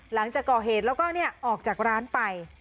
หลังจากก่อเหตุแล้วก็ออกจากร้านไป